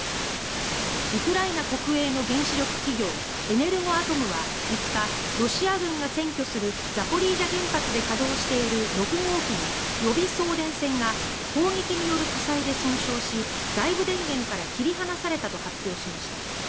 ウクライナ国営の原子力企業エネルゴアトムは５日ロシア軍が占拠するザポリージャ原発で稼働している６号機の予備送電線が砲撃による火災で損傷し外部電源から切り離されたと発表しました。